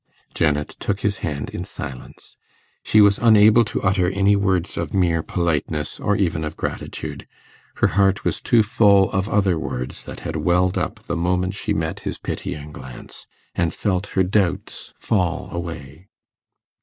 Janet took his hand in silence. She was unable to utter any words of mere politeness, or even of gratitude; her heart was too full of other words that had welled up the moment she met his pitying glance, and felt her doubts fall away.